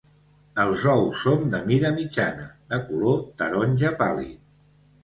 Els ous són de mida mitjana, de color taronja pàl·lid.